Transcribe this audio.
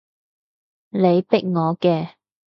你逼我嘅